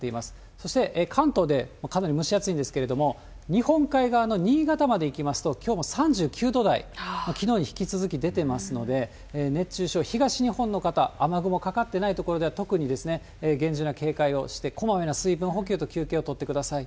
そして、関東でかなり蒸し暑いんですけれども、日本海側の新潟までいきますと、きょうも３９度台、きのうに引き続き出てますので、熱中症、東日本の方、雨雲かかってない所では特に厳重な警戒をして、こまめな水分補給と休憩をとってください。